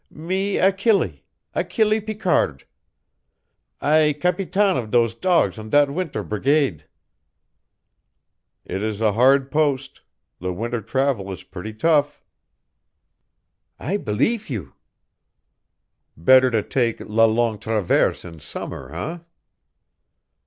"Me Achille Achille Picard. I capitaine of dose dogs on dat winter brigade." "It is a hard post. The winter travel is pretty tough." "I beleef you." "Better to take la Longue Traverse in summer, eh?"